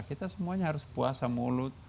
kita semuanya harus puasa mulut